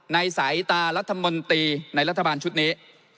สายตารัฐมนตรีในรัฐบาลชุดนี้